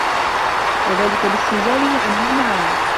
وَذَلِكَ بِاسْتِنْزَالِهِ عَنْهُ إنْ عَلَا